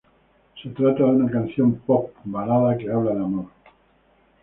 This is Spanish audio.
Se trata de una canción pop balada que habla de amor.